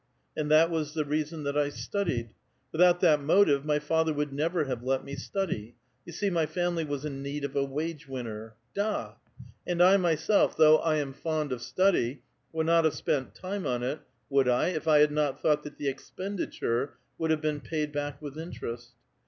* And that was the reason that I studied ; without that motive, my father would never have let me study : you see my family was in need of a wage winner. JJa I and I myself, though 1 am fond of study, would not have spent time on it, would I, if I had not thought that the exponcliture would have been paid back with interest?